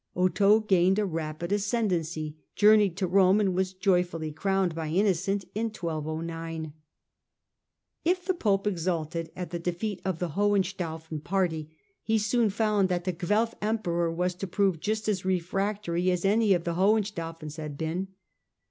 Otho gained a rapid ascendancy, journeyed to Rome, and was joyfully crowned by Innocent in 1209. If the Pope exulted at the defeat of the Hohenstaufen party, he soon found that the Guelf Emperor was to prove just as refractory as any of the Hohenstaufens had been.